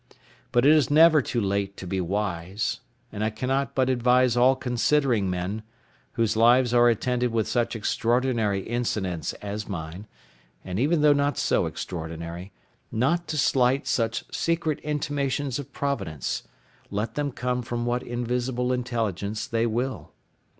But it is never too late to be wise; and I cannot but advise all considering men, whose lives are attended with such extraordinary incidents as mine, or even though not so extraordinary, not to slight such secret intimations of Providence, let them come from what invisible intelligence they will.